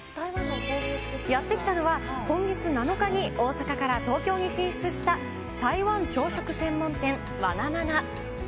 やって来たのは、今月７日に大阪から東京に進出した台湾朝食専門店、ワナマナ。